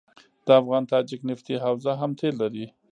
د افغان تاجک نفتي حوزه هم تیل لري.